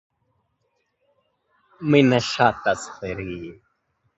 Mi ne ŝatas ferii.